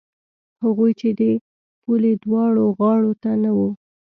هغوی چې د پولې دواړو غاړو ته نه وو.